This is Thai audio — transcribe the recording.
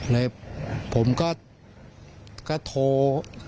เลยผมก็โทร